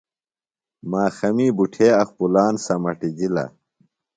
ماخمی بُٹھے اخپُلان سمَٹِجِلہ۔